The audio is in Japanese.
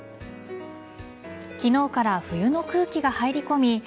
昨日から冬の空気が入り込み